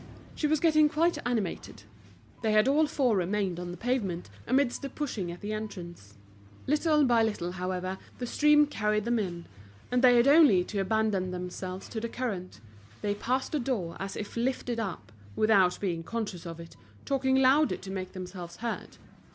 She was getting quite animated. They had all four remained on the pavement, amidst the pushing at the entrance. Little by little, however, the stream carried them in; and they had only to abandon themselves to the current, they passed the door as if lifted up, without being conscious of it, talking louder to make themselves heard.